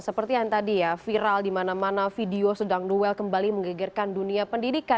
seperti yang tadi ya viral di mana mana video sedang duel kembali menggegerkan dunia pendidikan